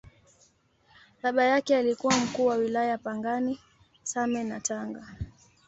Baba yake alikuwa Mkuu wa Wilaya Pangani, Same na Tanga.